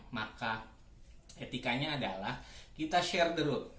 maka etikanya adalah kita share the road